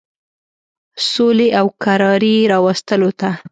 سولي او کراري راوستلو ته.